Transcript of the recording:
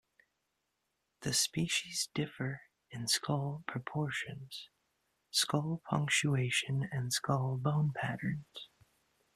The species differ in skull proportions, skull punctuation and skull bone patterns.